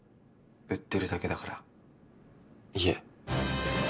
売ってるだけだから家。